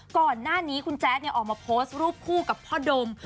ก่อนหน้านี้คุณแจ๊ดออกมาโพสต์รูปคู่กับพ่อดม